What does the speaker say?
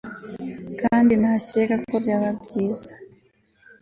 Kandi nakeka ko byaba byiza